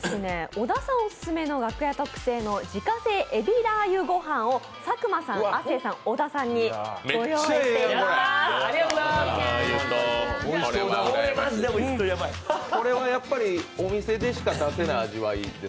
今日は小田さんオススメのがくやお手製の自家製海老ラー油ご飯を佐久間さん、亜生さん、小田さんにご用意しています。